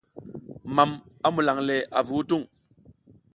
Mam a mulan le avu hutung.